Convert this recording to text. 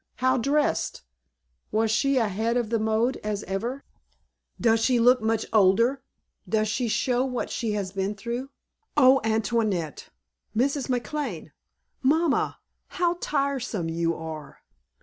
How dressed? Was she ahead of the mode as ever? Does she look much older? Does she show what she has been through.... Oh, Antoinette Mrs. McLane Mamma how tiresome you are!"